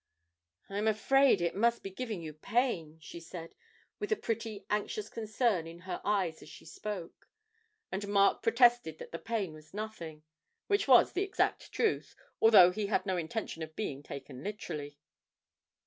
'I am afraid it must be giving you pain,' she said, with a pretty, anxious concern in her eyes as she spoke; and Mark protested that the pain was nothing which was the exact truth, although he had no intention of being taken literally.